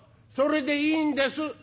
「それでいいんです」。